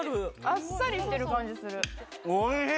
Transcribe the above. あっさりしてる感じする。